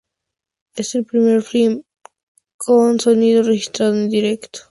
Es el primer film con sonido registrado en directo.